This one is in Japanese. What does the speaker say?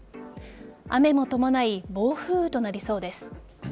雨も伴い暴風雨となりそうです。